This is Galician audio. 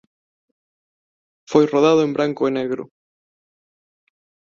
Foi rodado en branco e negro.